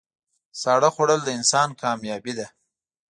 ساړه خوړل د انسان کامیابي ده.